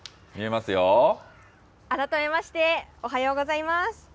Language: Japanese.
改めまして、おはようございます。